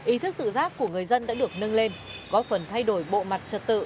ý thức tự giác của người dân đã được nâng lên góp phần thay đổi bộ mặt trật tự